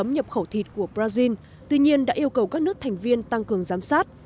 nhập khẩu thịt của brazil tuy nhiên đã yêu cầu các nước thành viên tăng cường giám sát